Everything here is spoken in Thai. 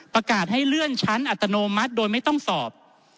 ประกาศให้เลื่อนชั้นอัตโนมัติโดยไม่ต้องสอบ